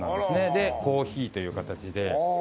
でコーヒーという形で。